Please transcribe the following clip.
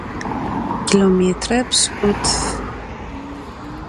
Kilomêtre pş'ık'utf.